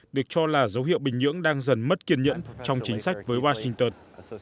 được cho là dấu hiệu bình nhưỡng đang dần mất kiên nhẫn trong chính sách với washington